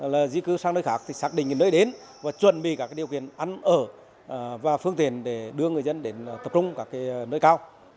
là di cư sang nơi khác thì xác định nơi đến và chuẩn bị các điều kiện ăn ở và phương tiện để đưa người dân đến tập trung các nơi cao